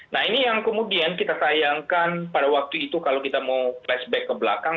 nah ini yang kemudian kita sayangkan pada waktu itu kalau kita mau flashback ke belakang